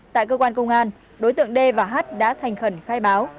tại cơ quan công an đối tượng d và h đã thành khẩn khai báo